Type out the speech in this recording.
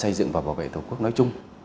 xây dựng và bảo vệ tổ quốc nói chung